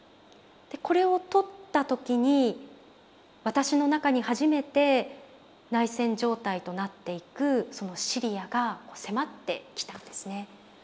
でこれを撮った時に私の中に初めて内戦状態となっていくそのシリアが迫ってきたんですね。